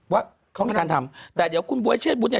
ว่าเขามีการทำแต่เดี๋ยวคุณบ๊วยเชษบุตรเนี่ย